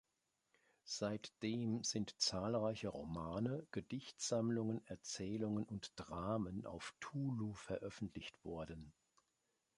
Seitdem sind zahlreiche Romane, Gedichtsammlungen, Erzählungen und Dramen auf Tulu veröffentlicht worden.